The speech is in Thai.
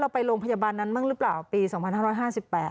เราไปโรงพยาบาลนั้นมั้งหรือเปล่าปีสองพันร้อยห้าสิบแปด